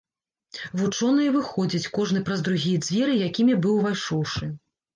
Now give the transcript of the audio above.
Вучоныя выходзяць, кожны праз другія дзверы, якімі быў увайшоўшы.